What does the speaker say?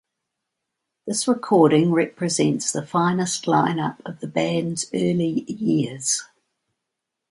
This recording represents the finest lineup of the band’s early years.